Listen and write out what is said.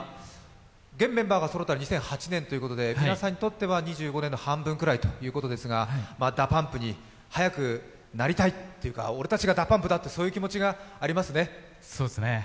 現のメンバーがそろったのは２００８年ということですが、２５年の半分ぐらいということですがＤＡＰＵＭＰに早くなりたいというか俺たちがＤＡＰＵＭＰだというそういう気持ちがありますね。